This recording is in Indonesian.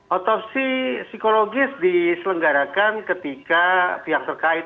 otopsi psikologis diselenggarakan ketika pihak terkait